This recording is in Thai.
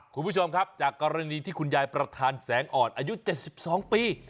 คุณผู้ชมครับจากกรณีที่คุณยายประธานแสงอ่อนอายุ๗๒ปี